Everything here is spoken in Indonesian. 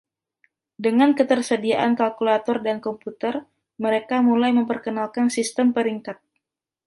Dengan ketersediaan kalkulator dan komputer, mereka mulai memperkenalkan sistem "peringkat".